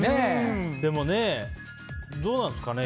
でもね、どうなんですかね。